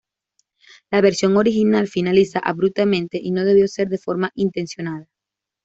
La versión original finaliza abruptamente y no debió ser de forma intencionada.